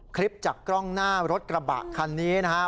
คลิปจากกล้องหน้ารถกระบะคันนี้นะครับ